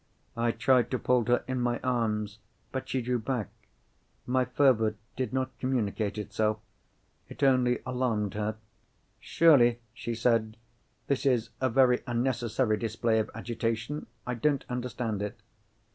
I tried to fold her in my arms. But she drew back. My fervour did not communicate itself; it only alarmed her. "Surely," she said, "this is a very unnecessary display of agitation? I don't understand it."